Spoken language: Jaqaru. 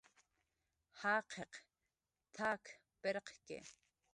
"Jaqiq t""ak pirqki"